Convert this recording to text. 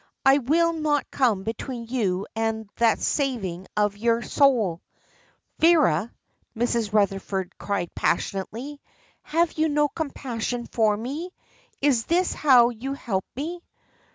I will not come between you and the saving of your soul." "Vera," Mrs. Rutherford cried passionately, "have you no compassion for me? Is this how you help me?"